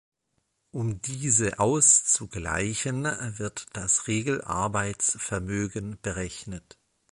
Um diese auszugleichen, wird das Regelarbeitsvermögen berechnet.